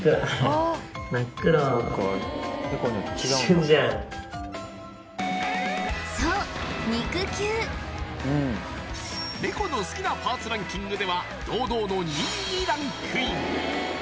一瞬じゃんそう肉球ネコの好きなパーツランキングでは堂々の２位にランクイン